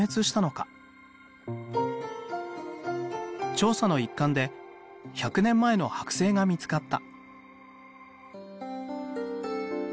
調査の一環で１００年前のはく製が見つかった。